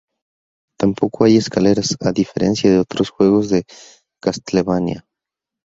Tampoco hay escaleras, a diferencia de otros juegos de Castlevania.